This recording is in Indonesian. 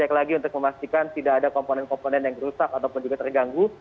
baik lagi untuk memastikan tidak ada komponen komponen yang rusak ataupun juga terganggu